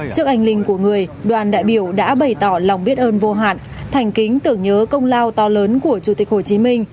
trước anh linh của người đoàn đại biểu đã bày tỏ lòng biết ơn vô hạn thành kính tưởng nhớ công lao to lớn của chủ tịch hồ chí minh